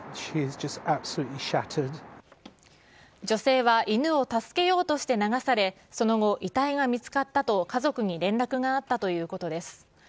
女性は、犬を助けようとして流され、その後、遺体が見つかったと家族に連絡があったということです。